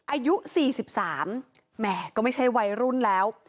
อายุ๔๓แหมก็ไม่ใช่วัยรุ่นแล้ว